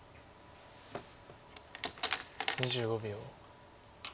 ２５秒。